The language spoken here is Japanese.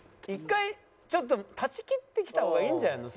１回ちょっと断ち切ってきた方がいいんじゃないの？